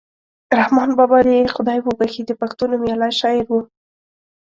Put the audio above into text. رحمان بابا دې یې خدای وبښي د پښتو نومیالی شاعر ؤ.